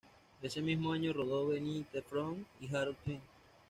Ese mismo año rodó "Behind the Front" y "Harold Teen".